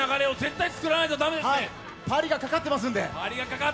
パリがかかってますんで！